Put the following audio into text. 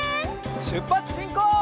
しゅっぱつしんこう！